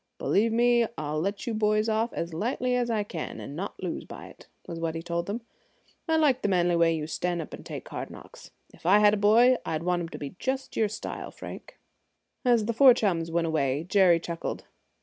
"Believe me, I'll let you boys off as lightly as I can, and not lose by it," was what he told them. "I like the manly way you stand up and take hard knocks. If I had a boy, I'd want him to be just your style, Frank." As the four chums went away, Jerry chuckled.